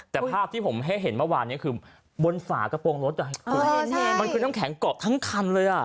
แต่ภาพที่ผมให้เห็นเมื่อวานนี้คือบนฝากระโปรงรถมันคือน้ำแข็งเกาะทั้งคันเลยอ่ะ